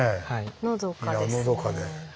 のどかですね。